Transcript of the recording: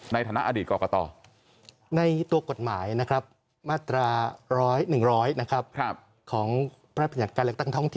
ในฐัณะอดีตกรกต